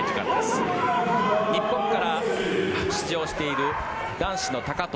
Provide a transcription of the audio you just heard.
日本から出場している男子の高藤。